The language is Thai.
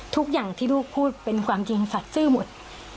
ทุกอย่างที่ลูกพูดเป็นความจริงสัตว์ซื่อหมด